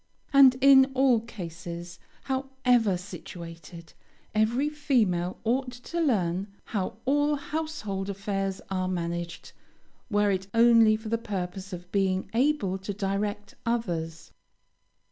And in all cases, however situated, every female ought to learn how all household affairs are managed, were it only for the purpose of being able to direct others.